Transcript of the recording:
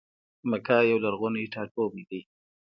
مکه یو لرغونی ټا ټوبی دی.